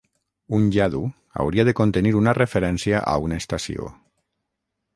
Un yadu hauria de contenir una referència a una estació.